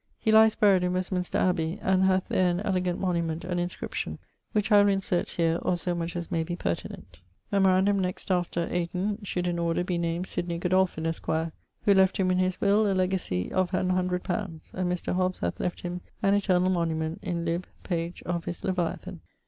He lyes buryd in Westminster Abbey, and hath there an elegant monument and inscription, which I will insert here or so much as may be pertinent. Memorandum next after ... Ayton should in order be named Sydney Godolphin, esq., who left him, in his will, a legacy of an hundred poundes: and Mr. Hobbes hath left him an eternall monument in lib.... pag.... of his Leviathan.